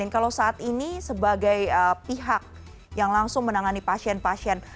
kalau saat ini sebagai pihak yang langsung menangani pasien pasien